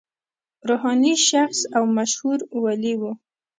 روحاني شخص او مشهور ولي و.